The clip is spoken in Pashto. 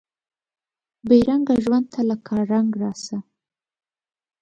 بې رنګه ژوند ته لکه رنګ راسه